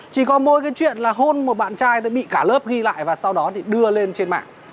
chỉ có mỗi cái chuyện là hôn một bạn trai tôi bị cả lớp ghi lại và sau đó thì đưa lên trên mạng